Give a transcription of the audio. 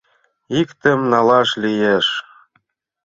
— Иктым налаш лиеш?